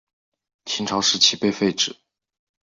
秦朝时期被废止。